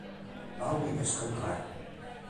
Lauri pesca un tre.